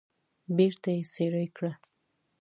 بیرته یې څیرې کړه.